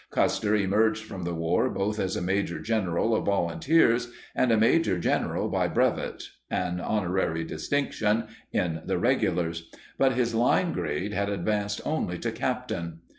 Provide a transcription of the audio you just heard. Custer emerged from the war both as a major general of volunteers and a major general by brevet (an honorary distinction) in the regulars, but his line grade had advanced only to captain.